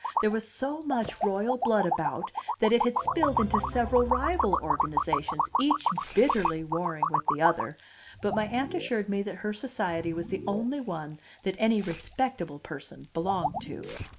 There was so much royal blood about that it had spilled into several rival organizations, each bitterly warring with the other; but my Aunt assured me that her society was the only one that any respectable person belonged to.